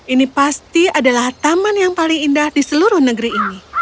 ini pasti adalah taman yang paling indah di seluruh negeri ini